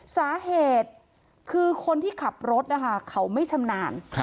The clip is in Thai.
สาเหตุคือคนที่ขับรถนะคะเขาไม่ชำนาญ